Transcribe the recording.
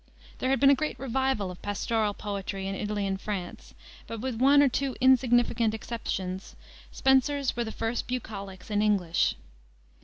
There had been a great revival of pastoral poetry in Italy and France, but, with one or two insignificant exceptions, Spenser's were the first bucolics in English.